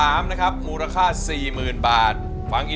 อันดับนี้เป็นแบบนี้